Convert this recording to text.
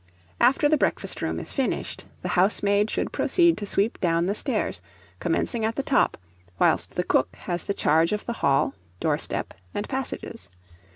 After the breakfast room is finished, the housemaid should proceed to sweep down the stairs, commencing at the top, whilst the cook has the charge of the hall, door step, and passages.